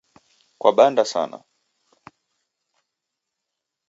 Kwabanda sana